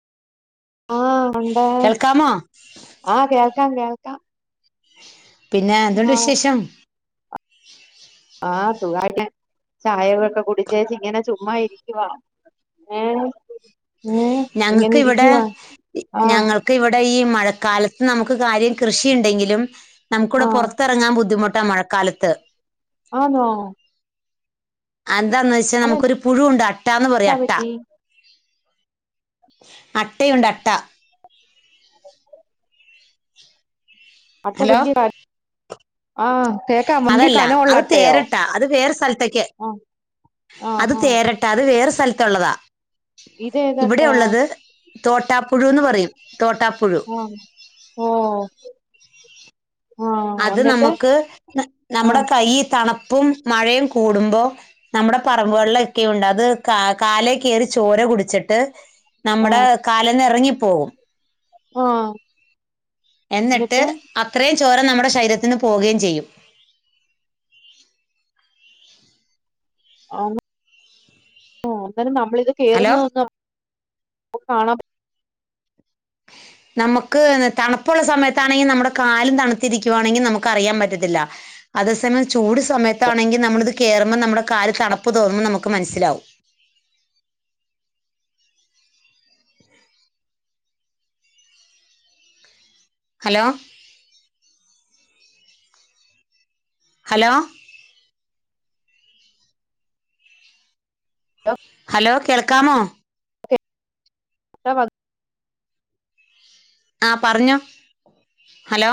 ആഹ് ഒണ്ട് കേൾക്കാമോ ആഹ് കേൾക്കാം കേൾക്കാം പിന്നേ എന്തുണ്ട് ആഹ് വിശേഷം ആഹ് സുഖാണ് ചായകളൊക്കെ കുടിച്ചേച്ച് ഇങ്ങനെ ചുമ്മാ ഇരിക്കുവാ ഏഹ് ഏഹ് ഇങ്ങനെ ഞങ്ങക്ക് ഇവിടെ ഇരിക്കുവാ ആഹ് ഞങ്ങൾ ക്കിവിടെ ഈ മഴക്കാലത്ത് നമുക്ക് കാര്യം കൃഷിണ്ടെങ്കിലും നമുക്കിവിടെ ആഹ് പൊറത്തിറങ്ങാൻ ബുദ്ധിമുട്ടാ മഴക്കാലത്ത് ആന്നോ ആന്താന്ന് വെച്ചാ അതെന്നാ നമുക്കൊരു പുഴുണ്ട് അട്ടാന്ന് പറയും അട്ട പറ്റി അട്ടയുണ്ട് അട്ട അട്ട ഹലോ വല്യ താണ്. ആഹ് കേക്കാം വല്ല്യ അതല്ല കനഒള്ള അത് അ ട്ടയോ തേരട്ട അത് വേറെ സ്ഥലത്തേക്ക് ആഹ് അത് ആഹ് ആഹ് തേരട്ട അത് വേറെ സ്ഥലത്തുള്ളതാ ഇതേത് ഇവിടെ അട്ടയാ ഉള്ളത് തോട്ടാപ്പുഴുന്ന് പറയും തോട്ടാപ്പുഴു ആഹ് ഓഹ് ആഹ് അത് എന്നിട്ട് നമക്ക് നമ്മുടെ ആഹ് കൈ തണുപ്പും മഴയും കൂടുമ്പോ നമ്മുടെ പറമ്പ് വെള്ളം ഒക്കെയണ്ട് അത് കാ കാലേ കയറി ചോര കുടിച്ചിട്ട് നമ്മുടെ ആഹ് കാലിന്ന് ഇറങ്ങിപ്പോകും ആഹ് എന്നിട്ട് അത്രയും ചോര നമ്മുടെ ശരീരത്തിന് പോവുകയും ചെയ്യും ആഹ് എന്നാലും നമ്മളിത് ഹലോ കേറുന്ന ഒന്നും കാണ നമുക്ക് തണുപ്പുള്ള സമയത്താണെങ്കിൽ നമ്മുടെ കാലും തണുത്തിരിക്കുവാണെങ്കിൽ നമുക്ക് അറിയാൻ പറ്റത്തില്ല അതേസമയം ചൂട് സമയത്താണെങ്ക നമ്മളിത് കേറുമ്പോ നമ്മുടെ കാൽ തണുപ്പ് തോന്നുപ്പൊൾ നമുക്ക് മനസ്സിലാവും ഹലോ ഹലോ പറ്റില്ല ഹലോ കേൾക്കാമോ കേട്ട ആഹ് പറഞ്ഞോ ഹലോ